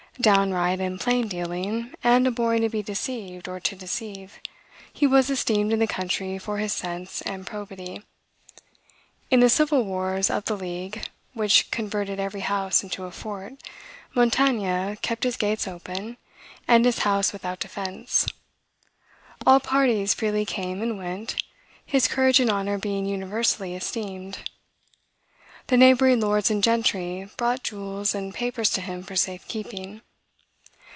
Downright and plain dealing, and abhorring to be deceived or to deceive, he was esteemed in the country for his sense and probity. In the civil wars of the League, which converted every house into a fort, Montaigne kept his gates open, and his house without defense. All parties freely came and went, his courage and honor being universally esteemed. The neighboring lords and gentry brought jewels and papers to him for safekeeping.